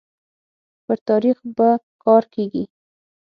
پر تاريخ به کار کيږي